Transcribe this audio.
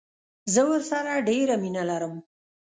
زه ورسره ډيره مينه کوم